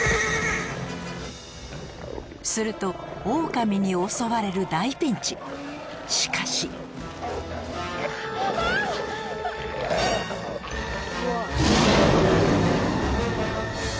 するとオオカミに襲われる大ピンチしかしあぁ！